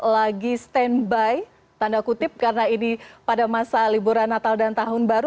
lagi standby tanda kutip karena ini pada masa liburan natal dan tahun baru